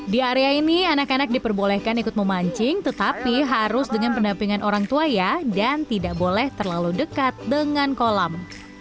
di area ini anak anak diperbolehkan ikut memancing tetapi harus dengan pendampingan orang tua ya dan tidak boleh terlalu dekat dengan kolam